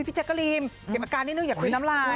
แจ๊กกะรีนเก็บอาการนิดนึงอย่าคุยน้ำลาย